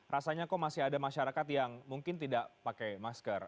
rasanya kok masih ada masyarakat yang mungkin tidak pakai masker